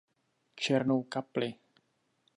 Černou kapli.